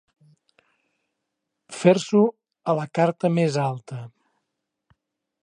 Fer-s'ho a la carta més alta.